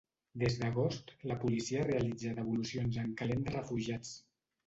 Des d’agost, la policia realitza devolucions en calent de refugiats.